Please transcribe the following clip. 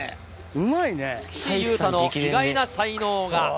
岸優太の意外な才能が。